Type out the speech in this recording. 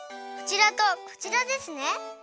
こちらとこちらですね。